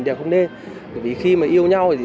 biết tôi là ai không